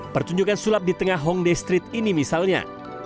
pertunjukan sulap di tengah hongday street ini misalnya